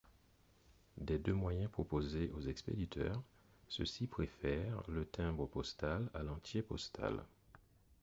Des deux moyens proposés aux expéditeurs, ceux-ci préfèrent le timbre postal à l'entier postal.